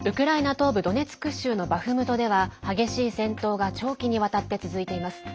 東部ドネツク州のバフムトでは激しい戦闘が長期にわたって続いています。